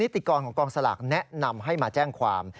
ติกรของกองสลากแนะนำให้มาแจ้งความ